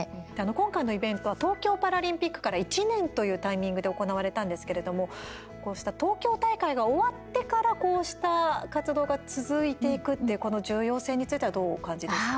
今回のイベントは東京パラリンピックから１年というタイミングで行われたんですけれどもこうした東京大会が終わってからこうした活動が続いていくっていうこの重要性についてはどうお感じですか。